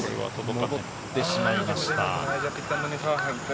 戻ってしまいました。